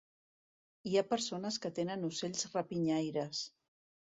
Hi ha persones que tenen ocells rapinyaires.